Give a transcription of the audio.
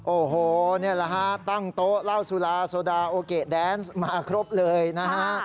โอ้โหนี่แหละฮะตั้งโต๊ะเหล้าสุราโซดาโอเกะแดนส์มาครบเลยนะฮะ